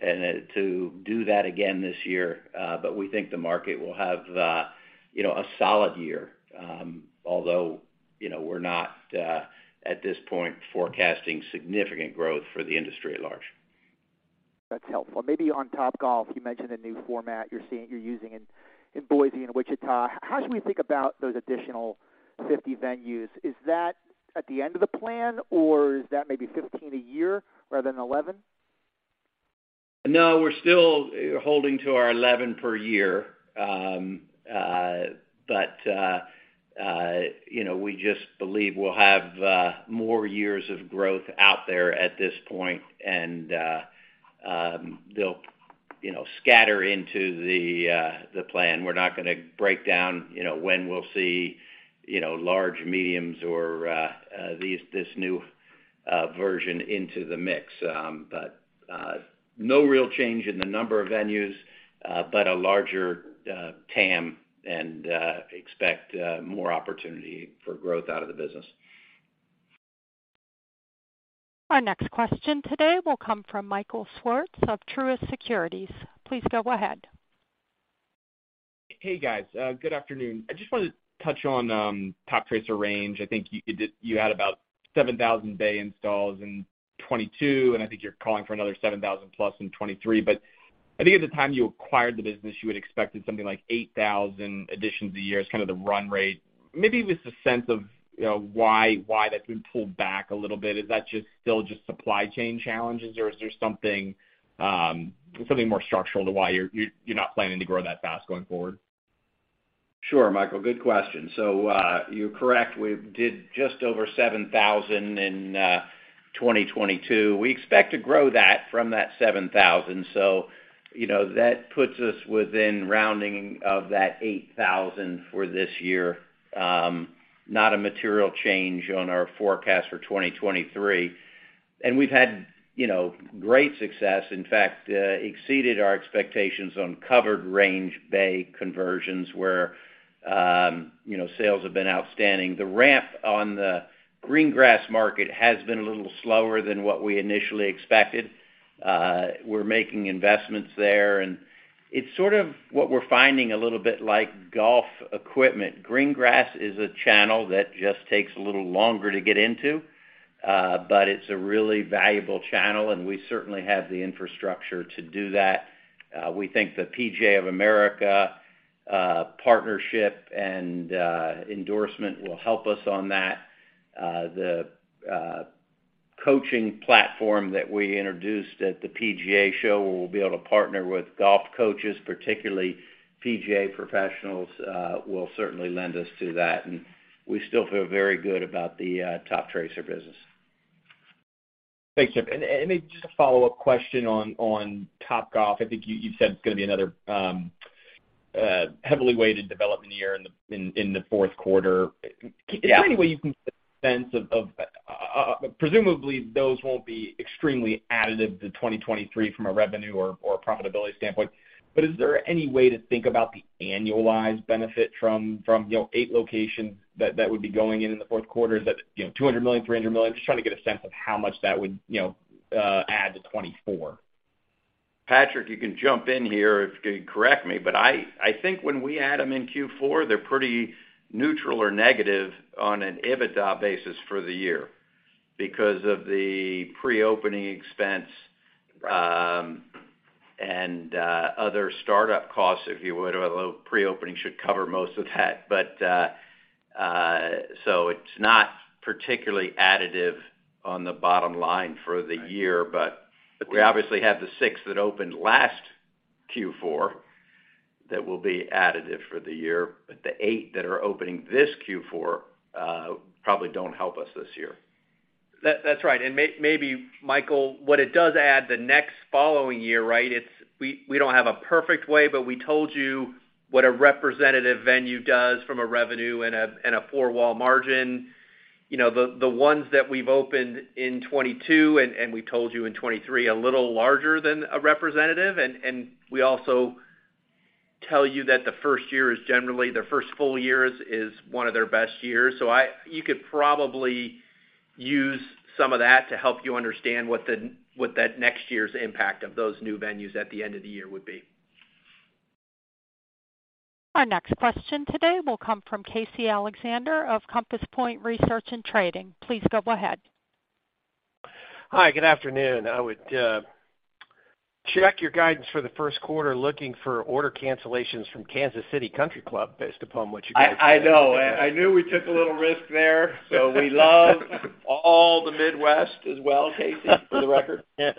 to do that again this year, but we think the market will have, you know, a solid year, although, you know, we're not at this point forecasting significant growth for the industry at large. That's helpful. Maybe on Topgolf, you mentioned a new format you're using in Boise and Wichita. How should we think about those additional 50 venues? Is that at the end of the plan, or is that maybe 15 a year rather than 11? No, we're still holding to our 11 per year. You know, we just believe we'll have more years of growth out there at this point, and they'll, you know, scatter into the plan. We're not gonna break down, you know, when we'll see, you know, large, mediums or this new version into the mix. No real change in the number of venues, but a larger TAM and expect more opportunity for growth out of the business. Our next question today will come from Michael Swartz of Truist Securities. Please go ahead. Hey, guys. Good afternoon. I just wanted to touch on Toptracer Range. I think you had about 7,000 bay installs in 2022, and I think you're calling for another 7,000+ in 2023. I think at the time you acquired the business, you had expected something like 8,000 additions a year as kind of the run rate. Maybe just a sense of, you know, why that's been pulled back a little bit. Is that just still just supply chain challenges, or is there something more structural to why you're not planning to grow that fast going forward? Sure, Michael. Good question. You're correct. We did just over 7,000 in 2022. We expect to grow that from that 7,000, so, you know, that puts us within rounding of that 8,000 for this year. Not a material change on our forecast for 2023. We've had, you know, great success, in fact, exceeded our expectations on covered range bay conversions where, you know, sales have been outstanding. The ramp on the green grass market has been a little slower than what we initially expected. We're making investments there, and it's sort of what we're finding a little bit like golf equipment. Green grass is a channel that just takes a little longer to get into, but it's a really valuable channel, and we certainly have the infrastructure to do that. We think the PGA of America partnership and endorsement will help us on that. The coaching platform that we introduced at the PGA Show, where we'll be able to partner with golf coaches, particularly PGA professionals, will certainly lend us to that, and we still feel very good about the Toptracer business. Thanks, Chip. Maybe just a follow-up question on Topgolf. I think you said it's gonna be another heavily weighted development year in the fourth quarter. Yeah. Is there any way you can get a sense of, presumably, those won't be extremely additive to 2023 from a revenue or profitability standpoint? Is there any way to think about the annualized benefit from, you know, eight locations that would be going in in the fourth quarter? Is that, you know, $200 million, $300 million? Just trying to get a sense of how much that would, you know, add to 2024. Patrick, you can jump in here if you can correct me, I think when we add them in Q4, they're pretty neutral or negative on an EBITDA basis for the year because of the pre-opening expense, and other startup costs, if you would, although pre-opening should cover most of that. So it's not particularly additive on the bottom line for the year. Right. We obviously have the six that opened last Q4 that will be additive for the year, but the eight that are opening this Q4, probably don't help us this year. That's right. Maybe, Michael, what it does add the next following year, right, it's we don't have a perfect way, but we told you what a representative venue does from a revenue and a four-wall margin. You know, the ones that we've opened in 2022 and we told you in 2023, a little larger than a representative. We also tell you that the first year is generally, their first full year is one of their best years. You could probably use some of that to help you understand what that next year's impact of those new venues at the end of the year would be. Our next question today will come from Casey Alexander of Compass Point Research & Trading. Please go ahead. Hi, good afternoon. I would check your guidance for the first quarter looking for order cancellations from Kansas City Country Club based upon what you guys said. I know. I knew we took a little risk there. We love all the Midwest as well, Casey, for the record. Yes.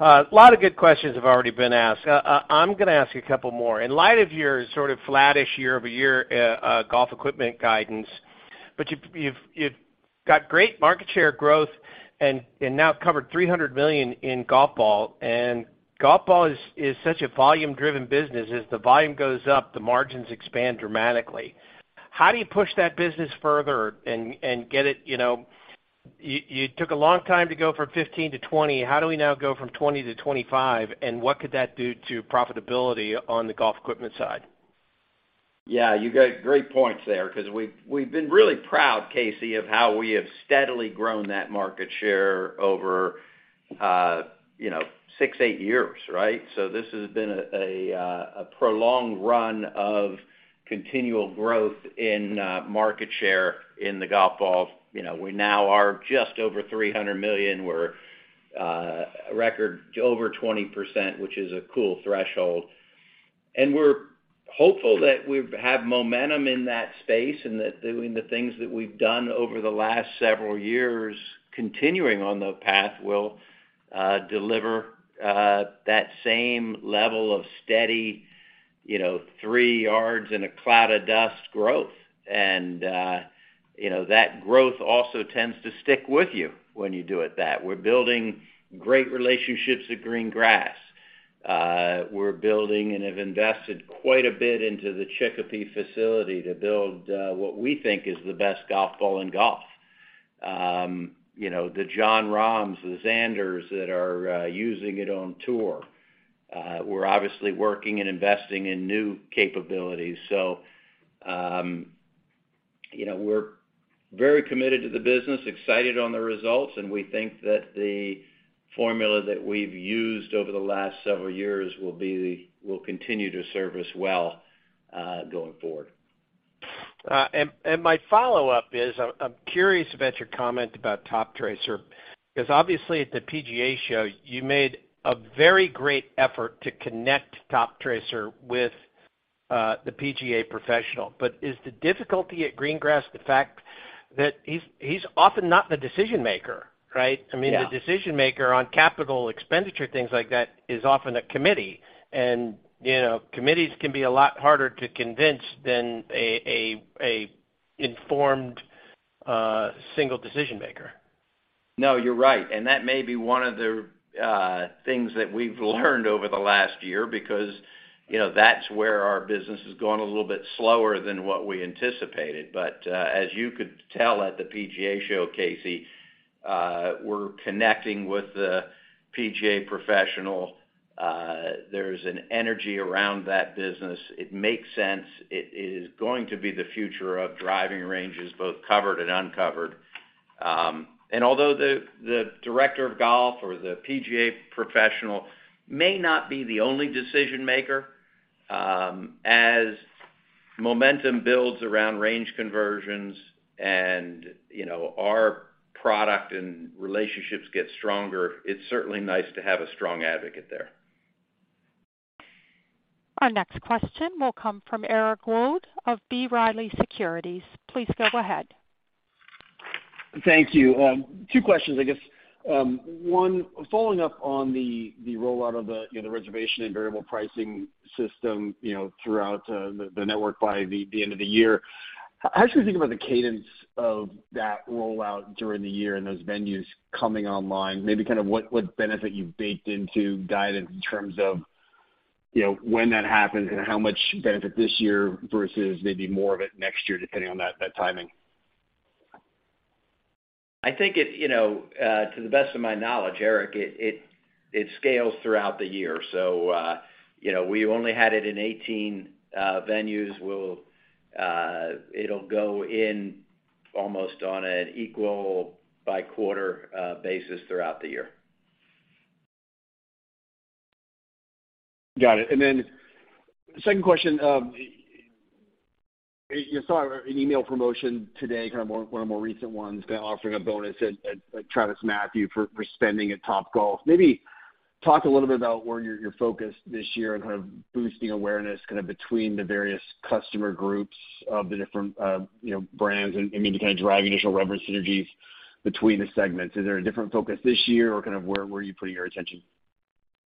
A lot of good questions have already been asked. I'm gonna ask you a couple more. In light of your sort of flattish year-over-year, golf equipment guidance, but you've got great market share growth and now covered $300 million in golf ball. Golf ball is such a volume-driven business. As the volume goes up, the margins expand dramatically. How do you push that business further and get it, you know. You took a long time to go from 15 to 20. How do we now go from 20 to 25? What could that do to profitability on the golf equipment side? Yeah, you got great points there because we've been really proud, Casey, of how we have steadily grown that market share over, you know, six, eight years, right? This has been a prolonged run of continual growth in market share in the golf ball. You know, we now are just over $300 million. We're a record over 20%, which is a cool threshold. We're hopeful that we've have momentum in that space and that doing the things that we've done over the last several years continuing on the path will deliver that same level of steady, you know, three yards and a cloud of dust growth. You know, that growth also tends to stick with you when you do it that. We're building great relationships at green grass. We're building and have invested quite a bit into the Chicopee facility to build what we think is the best golf ball in golf. You know, the Jon Rahm, the Xander that are using it on tour. We're obviously working and investing in new capabilities. You know, we're very committed to the business, excited on the results, and we think that the formula that we've used over the last several years will continue to serve us well going forward. My follow-up is, I'm curious about your comment about Toptracer, because obviously at the PGA Show, you made a very great effort to connect Toptracer with the PGA professional. Is the difficulty at green grass the fact that he's often not the decision maker, right? Yeah. I mean, the decision maker on capital expenditure, things like that, is often a committee. You know, committees can be a lot harder to convince than a informed single decision maker. That may be one of the things that we've learned over the last year because, you know, that's where our business has gone a little bit slower than what we anticipated. As you could tell at the PGA Show, Casey, we're connecting with the PGA professional. There's an energy around that business. It makes sense. It is going to be the future of driving ranges, both covered and uncovered. Although the director of golf or the PGA professional may not be the only decision maker, as momentum builds around range conversions and, you know, our product and relationships get stronger, it's certainly nice to have a strong advocate there. Our next question will come from Eric Wold of B. Riley Securities. Please go ahead. Thank you. Two questions, I guess. One, following up on the rollout of the, you know, the reservation and variable pricing system, you know, throughout the network by the end of the year, how should we think about the cadence of that rollout during the year and those venues coming online? Maybe kind of what benefit you've baked into guidance in terms of, you know, when that happens and how much benefit this year versus maybe more of it next year depending on that timing? I think it, you know, to the best of my knowledge, Eric, it scales throughout the year. You know, we only had it in 18 venues. We'll, it'll go in almost on an equal by quarter, basis throughout the year. Got it. Second question. You saw an email promotion today, one of more recent ones offering a bonus at TravisMathew for spending at Topgolf. Maybe talk a little bit about where your focused this year on kind of boosting awareness kind of between the various customer groups of the different, you know, brands and, I mean, to kind of drive initial revenue synergies between the segments. Is there a different focus this year, or kind of where are you putting your attention?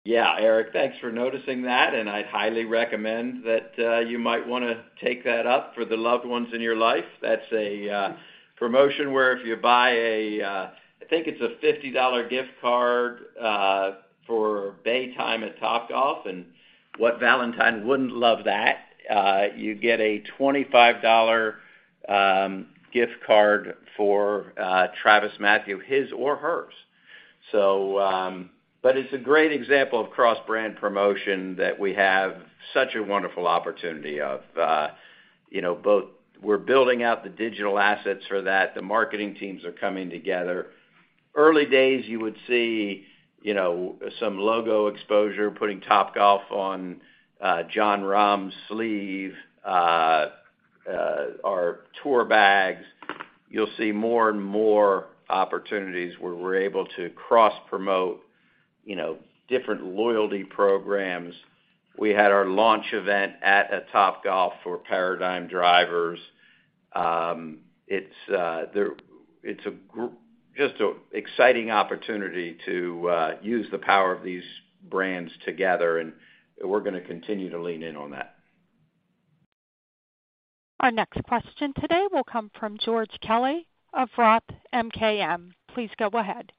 Yeah, Eric, thanks for noticing that. I'd highly recommend that, you might wanna take that up for the loved ones in your life. That's a promotion where if you buy a, I think it's a $50 gift card, for bay time at Topgolf, and what valentine wouldn't love that? You get a $25 gift card for TravisMathew, his or hers. But it's a great example of cross-brand promotion that we have such a wonderful opportunity of. You know, both. We're building out the digital assets for that. The marketing teams are coming together. Early days, you would see, you know, some logo exposure, putting Topgolf on Jon Rahm's sleeve, our tour bags. You'll see more and more opportunities where we're able to cross-promote, you know, different loyalty programs. We had our launch event at a Topgolf for Paradym Drivers. It's just a exciting opportunity to use the power of these brands together, we're gonna continue to lean in on that. Our next question today will come from George Kelly of Roth MKM. Please go ahead.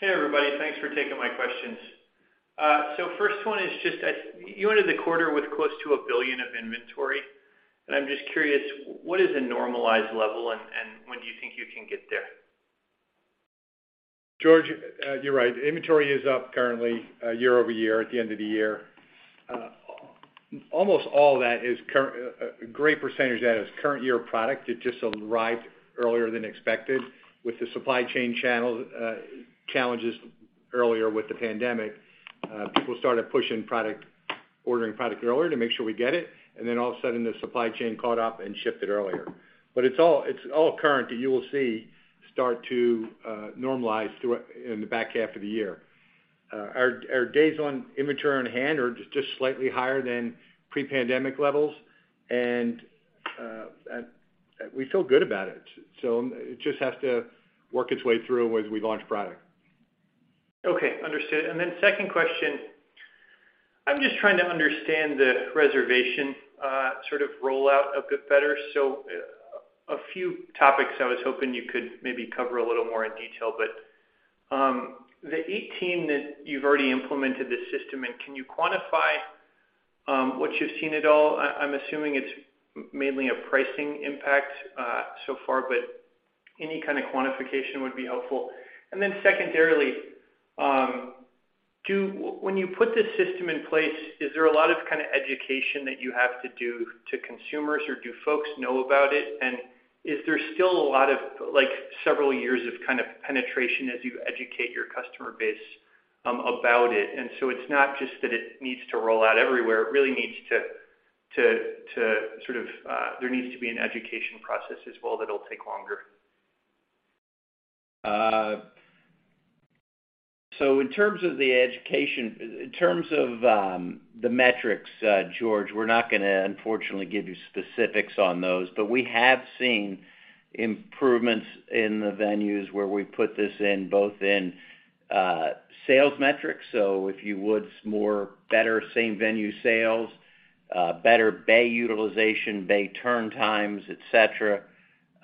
Hey, everybody. Thanks for taking my questions. First one is just you entered the quarter with close to $1 billion of inventory. I'm just curious, what is a normalized level, and when do you think you can get there? George, you're right. Inventory is up currently year-over-year at the end of the year. Almost all that is a great percentage of that is current year product. It just arrived earlier than expected. With the supply chain channel, challenges earlier with the pandemic, people started pushing product, ordering product earlier to make sure we get it, then all of a sudden, the supply chain caught up and shipped it earlier. It's all, it's all current that you will see start to normalize through, in the back half of the year. Our days on inventory on hand are just slightly higher than pre-pandemic levels, we feel good about it. It just has to work its way through as we launch product. Okay, understood. Second question, I'm just trying to understand the reservation, sort of rollout a bit better. A few topics I was hoping you could maybe cover a little more in detail. The 18 that you've already implemented this system in, can you quantify, what you've seen at all? I-I'm assuming it's mainly a pricing impact, so far, but any kind of quantification would be helpful. Secondarily, when you put this system in place, is there a lot of kind of education that you have to do to consumers, or do folks know about it? Is there still a lot of, like, several years of kind of penetration as you educate your customer base, about it? It's not just that it needs to roll out everywhere, it really needs to sort of, there needs to be an education process as well that it'll take longer. In terms of the education, in terms of the metrics, George, we're not gonna, unfortunately, give you specifics on those. We have seen improvements in the venues where we put this in, both in sales metrics, so if you would, more better same venue sales, better bay utilization, bay turn times, et cetera,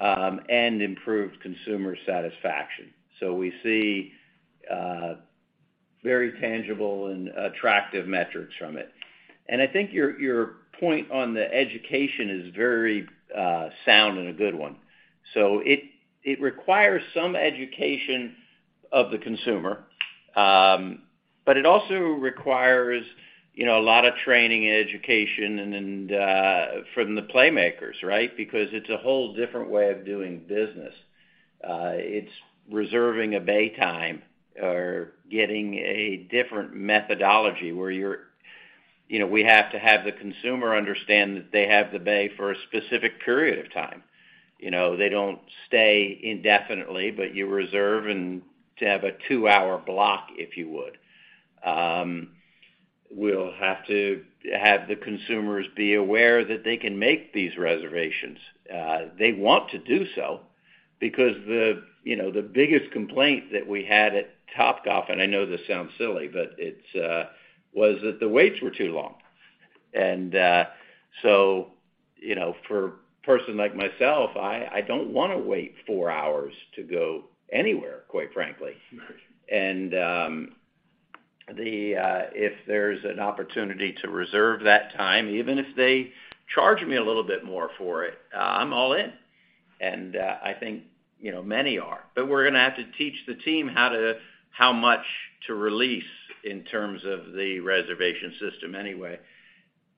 and improved consumer satisfaction. We see very tangible and attractive metrics from it. I think your point on the education is very sound and a good one. It requires some education of the consumer, but it also requires, you know, a lot of training and education and then from the playmakers, right? Because it's a whole different way of doing business. It's reserving a bay time or getting a different methodology where you're, you know, we have to have the consumer understand that they have the bay for a specific period of time. You know, they don't stay indefinitely, but you reserve and to have a two-hour block, if you would. We'll have to have the consumers be aware that they can make these reservations. They want to do so because the, you know, the biggest complaint that we had at Topgolf, and I know this sounds silly, but it's, was that the waits were too long. You know, for a person like myself, I don't wanna wait four hours to go anywhere, quite frankly. If there's an opportunity to reserve that time, even if they charge me a little bit more for it, I'm all in. I think, you know, many are. We're gonna have to teach the team how much to release in terms of the reservation system anyway.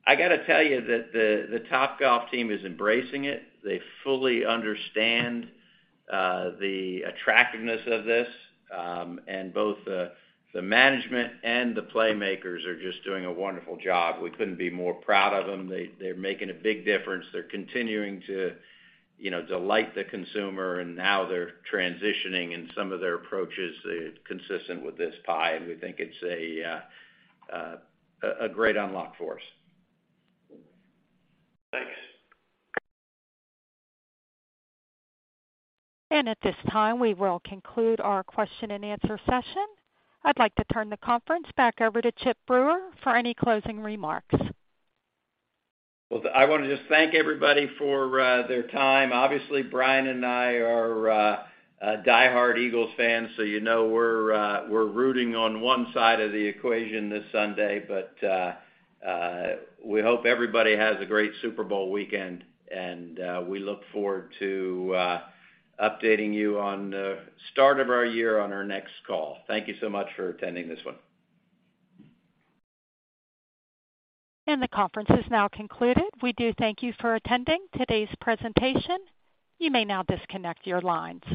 I gotta tell you that the Topgolf team is embracing it. They fully understand the attractiveness of this, both the management and the playmakers are just doing a wonderful job. We couldn't be more proud of them. They're making a big difference. They're continuing to, you know, delight the consumer, now they're transitioning in some of their approaches consistent with this PIE, we think it's a great unlock for us. Thanks. At this time, we will conclude our question-and-answer session. I'd like to turn the conference back over to Chip Brewer for any closing remarks. Well, I wanna just thank everybody for their time. Obviously, Brian and I are diehard Eagles fans, so you know we're rooting on one side of the equation this Sunday. We hope everybody has a great Super Bowl weekend, and we look forward to updating you on the start of our year on our next call. Thank you so much for attending this one. The conference is now concluded. We do thank you for attending today's presentation. You may now disconnect your lines.